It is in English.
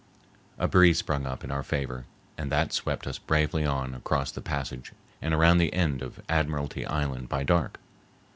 A breeze sprung up in our favor that swept us bravely on across the passage and around the end of Admiralty Island by dark.